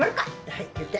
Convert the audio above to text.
はい言って。